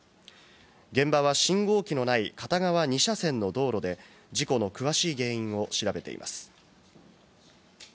現場は信号機のない片側２車線の道路で、事故の詳しい原因を調べています。